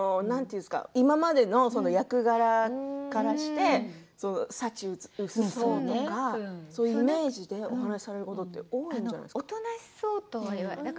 今までの役柄からして幸薄そうね、とかそういうイメージでお話されること多いんじゃないですか？